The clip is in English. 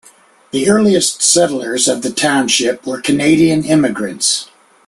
The earliest settlers of the township were Canadian immigrants.